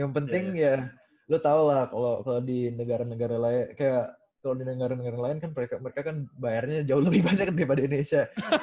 yang penting ya lo tau lah kalau di negara negara lain kayak kalau di negara negara lain kan mereka kan bayarnya jauh lebih banyak daripada indonesia